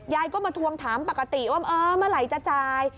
ยายก็มาทวงถามปกติว่าเออเมื่อไหร่จะจ่าย